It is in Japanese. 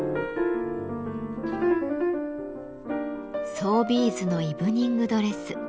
総ビーズのイブニングドレス。